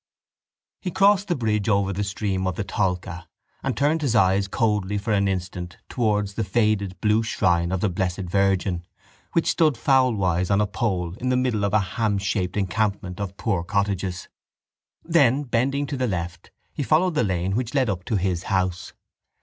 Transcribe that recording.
He crossed the bridge over the stream of the Tolka and turned his eyes coldly for an instant towards the faded blue shrine of the Blessed Virgin which stood fowl wise on a pole in the middle of a hamshaped encampment of poor cottages. Then, bending to the left, he followed the lane which led up to his house.